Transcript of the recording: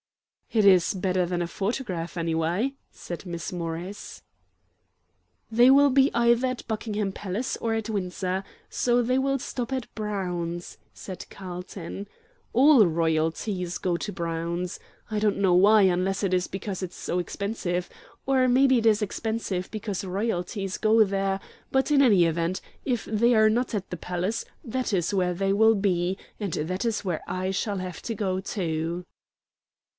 "It is better than a photograph, anyway," said Miss Morris. "They will be either at Buckingham Palace or at Windsor, or they will stop at Brown's," said Carlton. "All royalties go to Brown's. I don't know why, unless it is because it is so expensive; or maybe it is expensive because royalties go there; but, in any event, if they are not at the palace, that is where they will be, and that is where I shall have to go too."